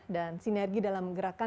dan sinergi dalam gerakan nasional